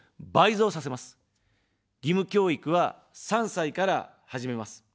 義務教育は３歳から始めます。